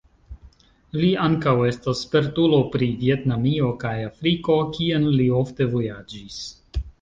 Li ankaŭ estas spertulo pri Vjetnamio kaj Afriko, kien li ofte vojaĝis.